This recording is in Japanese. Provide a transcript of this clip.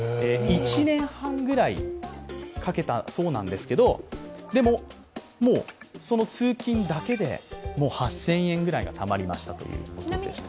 １年半くらいかけたそうなんですけど、でももうその通院だけで８０００円ぐらいがたまりましたということです。